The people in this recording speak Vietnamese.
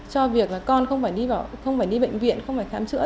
cho việc là con không phải đi bệnh viện không phải khám chữa